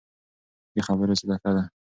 ښې خبرې صدقه ده.